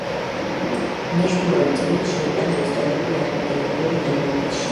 მნიშვნელოვანი წვლილი შეიტანა ისტორიული არქიტექტორული ნაგებობების შენარჩუნებაში.